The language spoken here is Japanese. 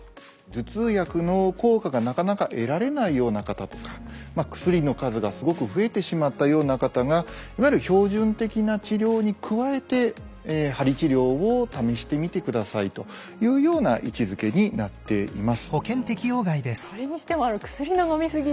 頭痛薬の効果がなかなか得られないような方とか薬の数がすごく増えてしまったような方がいわゆる標準的な治療に加えて鍼治療を試してみてくださいというような位置づけになっています。